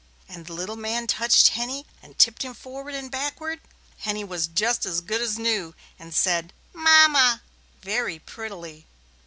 And when the little man touched Henny and tipped him forward and backward, Henny was just as good as new and said "Mama" very prettily.